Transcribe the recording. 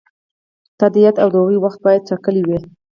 تادیات او د هغو وخت باید ټاکلی وي.